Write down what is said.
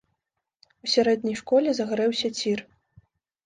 У сярэдняй школе загарэўся цір.